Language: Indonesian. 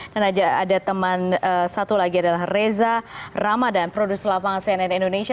dan ada teman satu lagi adalah reza ramadhan produser lapangan cnn indonesia